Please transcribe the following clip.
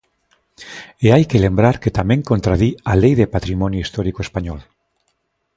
E hai que lembrar que tamén contradí a Lei de patrimonio histórico español.